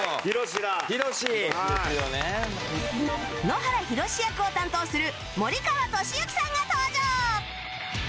野原ひろし役を担当する森川智之さんが登場！